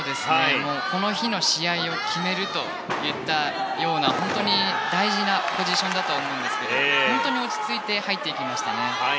この日の試合を決めるといったような本当に大事なポジションだと思うんですけれども本当に落ち着いて入っていきましたね。